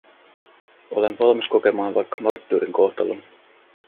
Olen valmis kokemaan vaikka marttyyrin kohtalon.